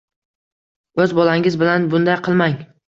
O‘z bolangiz bilan bunday qilmang.